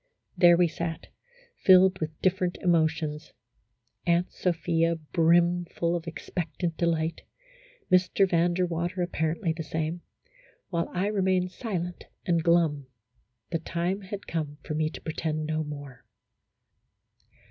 There we sat, filled with different emotions : Aunt Sophia brimful of expectant delight, Mr. Van der Water apparently the same, while I remained silent and glum ; the time had come for me to pretend no more.